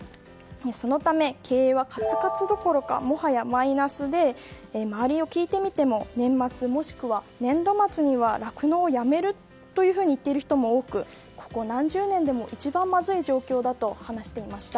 そのため、経営はカツカツどころかもはやマイナスで周りに聞いてみても年末もしくは年度末には酪農を辞めると言っている人も多くここ何十年でも一番まずい状況だと話していました。